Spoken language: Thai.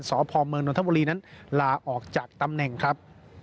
สพเมืองนทบุรีนั้นลาออกจากตำแหน่งครับ